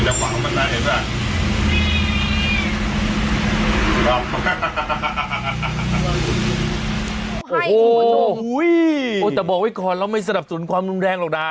โอ้โหแต่บอกไว้ก่อนเราไม่สนับสนุนความรุนแรงหรอกนะ